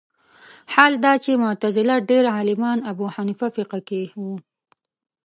حال دا چې معتزله ډېر عالمان ابو حنیفه فقه کې وو